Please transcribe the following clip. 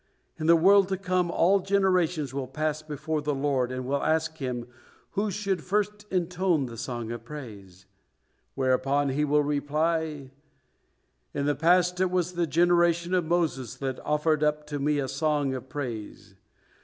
In the world to come, all generations will pass before the Lord and will ask Him who should first intone the song of praise, whereupon He will reply: "In the past it was the generation of Moses that offered up to me a song of praise.